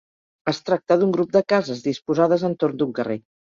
Es tracta d'un grup de cases disposades entorn d'un carrer.